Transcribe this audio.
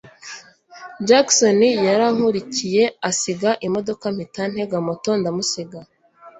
Jackson yarankurikiye asiga imodoka mpita ntega moto ndamusiga